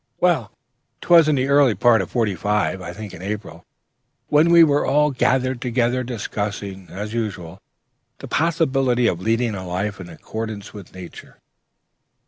"Well, 'twas in the early part of '45, I think in April, when we were all gathered together, discussing, as usual, the possibility of leading a life in accordance with Nature.